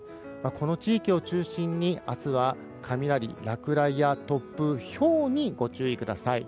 この地域を中心に明日は雷、落雷や突風、ひょうにご注意ください。